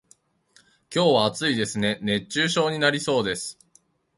今日は暑いですね、熱中症になりそうです。